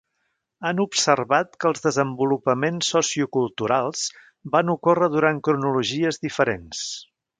Han observat que els desenvolupaments socioculturals van ocórrer durant cronologies diferents.